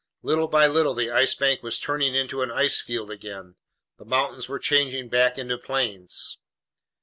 Little by little the Ice Bank was turning into an ice field again. The mountains were changing back into plains.